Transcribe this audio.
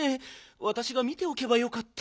わたしが見ておけばよかった。